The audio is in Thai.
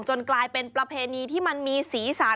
กลายเป็นประเพณีที่มันมีสีสัน